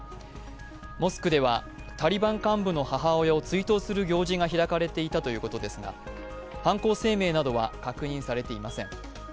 モスクではタリバン幹部の母親を追悼する行事が開かれていたということですが、犯行声明などは確認されていません。